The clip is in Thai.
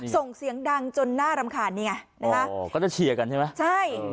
ส่งเสียงดังจนน่ารำคาญนี่ไงนะฮะอ๋อก็จะเชียร์กันใช่ไหมใช่